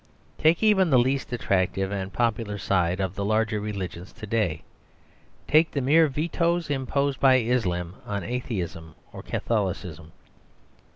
Take even the least attractive and popular side of the larger religions to day; take the mere vetoes imposed by Islam on Atheism or Catholicism.